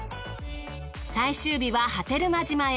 最終日は波照間島へ。